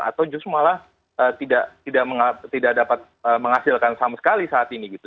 atau justru malah tidak dapat menghasilkan sama sekali saat ini gitu